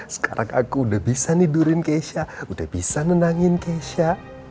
sekarang aku udah bisa nih duriin keisha udah bisa nenangin keisha